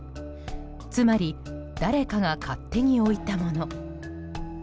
つまり、誰かが勝手に置いたもの。